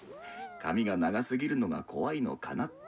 髪が長すぎるのが怖いのかなって。